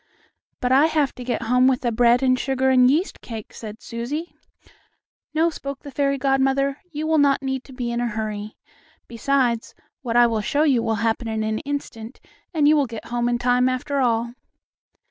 "But I have to get home with the bread and sugar and yeast cake," said Susie. "No," spoke the fairy godmother, "you will not need to be in a hurry. Besides, what I will show you will happen in an instant, and you will get home in time after all."